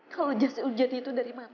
kalo jasih ujati itu dari mata lo